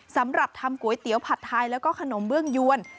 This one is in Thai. สำหรับทำก๋วยเตี๋ยวผัดไทยแล้วก็ขนมเบื้องยวน